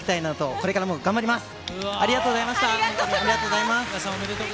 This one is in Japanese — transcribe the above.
これからも頑張ります。